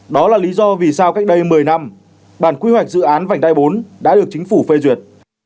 đó là lý do vì sao cách đây một mươi năm bản quy hoạch dự án vành đai bốn đã được chính phủ phê duyệt